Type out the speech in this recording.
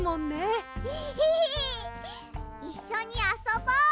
エヘヘいっしょにあそぼ。